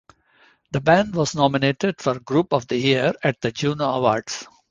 The band was nominated for Group of the Year at the Juno Awards.